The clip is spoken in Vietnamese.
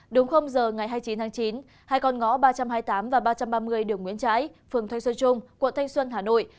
đúng giờ ngày hai mươi chín tháng chín hai con ngõ ba trăm hai mươi tám và ba trăm ba mươi đường nguyễn trãi phường thanh xuân trung quận thanh xuân hà nội